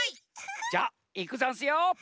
じゃあいくざんすよ。